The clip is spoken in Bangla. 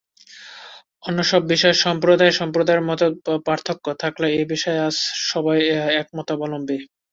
অন্য সব বিষয়ে সম্প্রদায়ে-সম্প্রদায়ে মত-পার্থক্য থাকলেও এ-বিষয়ে আজ সবাই একমতাবলম্বী।